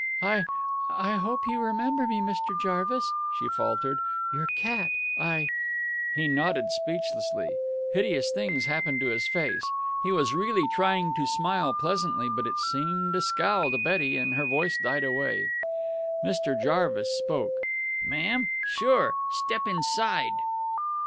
"I I hope you remember me, Mr. Jarvis," she faltered. "Your cat. I " He nodded speechlessly. Hideous things happened to his face. He was really trying to smile pleasantly, but it seemed a scowl to Betty, and her voice died away. Mr. Jarvis spoke. "Ma'am sure! step 'nside."